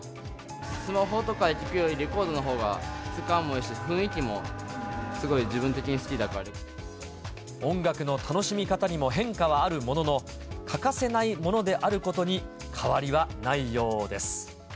スマホとかで聴くより、レコードのほうが質感もいいし、雰囲気もすごい自分的に好きだか音楽の楽しみ方にも変化はあるものの、欠かせないものであることに変わりはないようです。